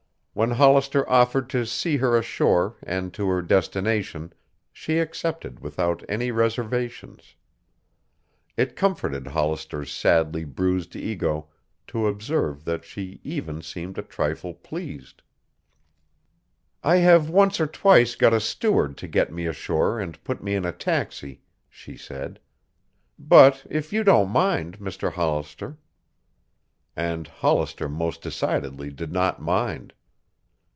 When Hollister offered to see her ashore and to her destination, she accepted without any reservations. It comforted Hollister's sadly bruised ego to observe that she even seemed a trifle pleased. "I have once or twice got a steward to get me ashore and put me in a taxi," she said. "But if you don't mind, Mr. Hollister." And Hollister most decidedly did not mind.